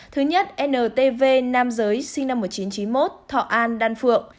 thứ nhất ntv nam giới sinh năm một nghìn chín trăm chín mươi một thọ an đan phượng